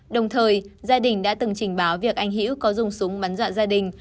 đồng thời gia đình đã từng trình báo việc anh hữu có dùng súng bắn dọa gia đình